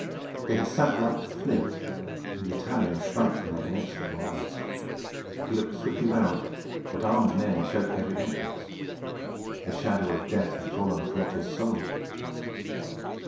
They had sat like flint, and the Italian shrank from their inexorable eyes. He looked swiftly round, but armed men choked every entrance. The shadow of death had fallen athwart his soul.